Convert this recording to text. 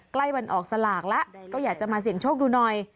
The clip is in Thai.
ใกล้วันออกสลากแล้วก็อยากจะมาเสี่ยงโชคดูหน่อย